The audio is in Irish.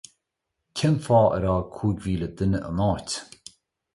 Cén fáth ar fhág cúig mhíle duine an áit?